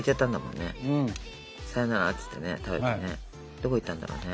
どこ行ったんだろうね？